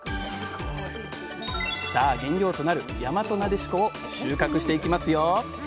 さあ原料となるやまとなでしこを収穫していきますよ！